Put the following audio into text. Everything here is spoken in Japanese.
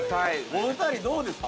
◆お二人どうですか。